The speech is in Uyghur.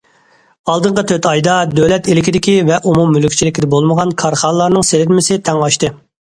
ئالدىنقى تۆت ئايدا، دۆلەت ئىلكىدىكى ۋە ئومۇم مۈلۈكچىلىكىدە بولمىغان كارخانىلارنىڭ سېلىنمىسى تەڭ ئاشتى.